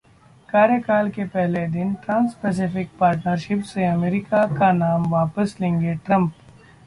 कार्यकाल के पहले दिन 'ट्रांस पैसिफिक पार्टनरशिप' से अमेरिका का नाम वापिस लेंगे ट्रंप